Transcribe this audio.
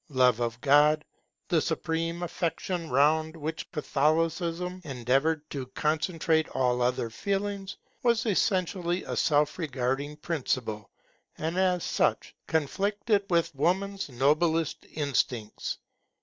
Love of God, the supreme affection round which Catholicism endeavoured to concentrate all other feelings, was essentially a self regarding principle, and as such conflicted with woman's noblest instincts.